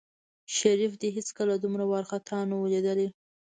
شريف دى هېڅکله دومره وارخطا نه و ليدلى.